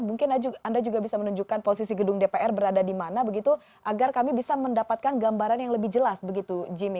mungkin anda juga bisa menunjukkan posisi gedung dpr berada di mana begitu agar kami bisa mendapatkan gambaran yang lebih jelas begitu jimmy